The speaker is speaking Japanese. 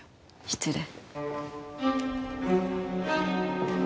失礼。